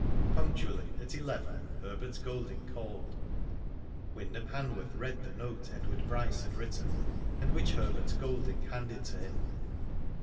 Punctually at eleven Herbert Golding called. Wyndham Hanworth read the note Edward Bryce had written, and which Herbert Golding handed to him.